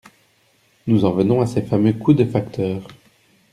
Nous en venons à ces fameux coûts de facteurs.